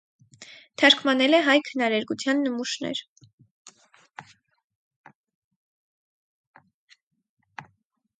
Թարգմանել է հայ քնարերգության նմուշներ։